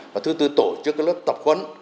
và thứ tư tổ chức các lớp tập khuấn